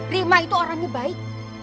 rima itu orangnya baik